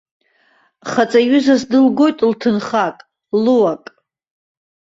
Хаҵаҩызас дылгоит лҭынхак, луак.